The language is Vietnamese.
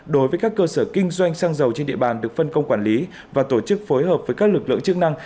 đối với các cơ sở kinh doanh xăng dầu trên địa bàn được phân công quản lý và tổ chức phối hợp với các lực lượng chức năng